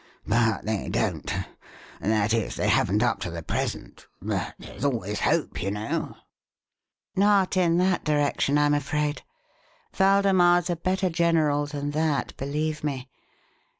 But they don't that is, they haven't up to the present; but there's always hope, you know." "Not in that direction, I'm afraid. Waldemar's a better general than that, believe me.